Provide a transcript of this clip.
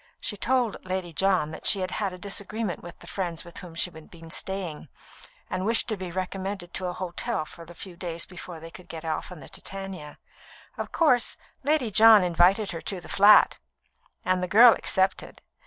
She told Lady John that she had had a disagreement with the friends with whom she had been staying, and wished to be recommended to a hotel for the few days before they could get off on the Titania. Of course, Lady John invited her to the flat, and the girl accepted.